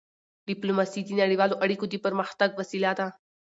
ډیپلوماسي د نړیوالو اړیکو د پرمختګ وسیله ده.